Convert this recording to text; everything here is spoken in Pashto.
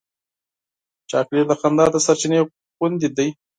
چاکلېټ د خندا د سرچېنې غوندې دی.